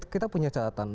kita punya catatan